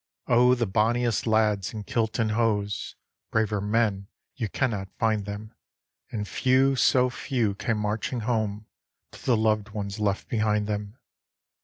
Oh, the bonniest lads in kilt and hose Braver men, you cannot find them And few, so few, came marching home To the loved ones left behind them.